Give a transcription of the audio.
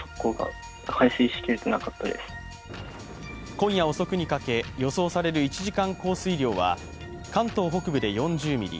今夜遅くにかけ、予想される１時間降水量は関東北部で４０ミリ